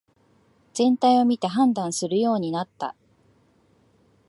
全体を見て判断するようになった